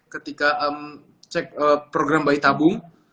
ketika cek program bayi tabung